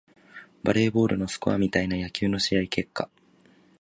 バレーボールのスコアみたいな野球の試合結果